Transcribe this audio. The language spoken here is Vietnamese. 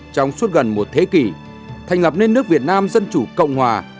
trong suốt gần một thế kỷ thành lập nên nước việt nam dân chủ cộng hòa